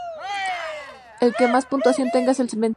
El que más puntuación tenga es el vencedor.